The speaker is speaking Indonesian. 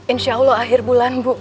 insya allah akhir bulan bu